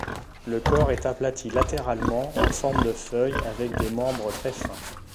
Le corps est aplati latéralement, en forme de feuille, avec des membres très fins.